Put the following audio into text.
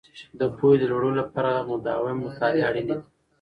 د پوهې د لوړولو لپاره مداوم مطالعه اړینې دي.